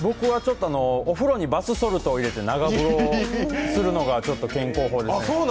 お風呂にバスソルトを入れて長風呂をするのが健康法です。